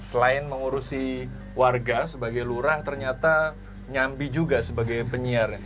selain mengurusi warga sebagai lurah ternyata nyambi juga sebagai penyiarnya